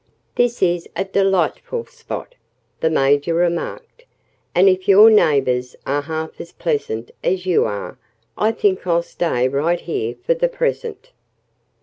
"This is a delightful spot," the Major remarked. "And if your neighbors are half as pleasant as you are, I think I'll stay right here for the present."